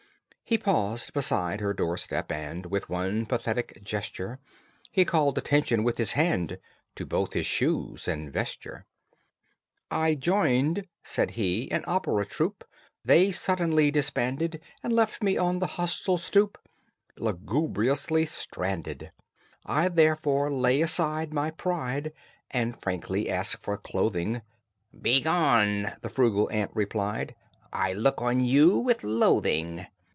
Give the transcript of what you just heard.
He paused beside her door step, and, With one pathetic gesture, He called attention with his hand To both his shoes and vesture. "I joined," said he, "an opera troupe. They suddenly disbanded, And left me on the hostel stoop, Lugubriously stranded. "I therefore lay aside my pride And frankly ask for clothing." "Begone!" the frugal ant replied. "I look on you with loathing.